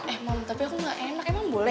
emang tapi aku gak enak emang boleh